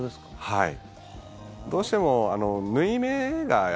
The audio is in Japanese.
はい。